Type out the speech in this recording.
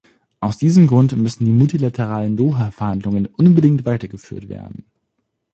Aus diesem Grund müssen die multilateralen Doha-Verhandlungen unbedingt weitergeführt werden.